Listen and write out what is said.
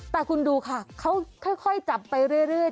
แต่คุณดูค่ะเขาค่อยจับไปเรื่อย